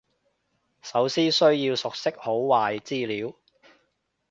首先需要熟悉好壞資料